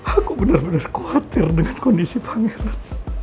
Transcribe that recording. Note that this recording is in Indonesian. aku bener bener khawatir dengan kondisi pangeran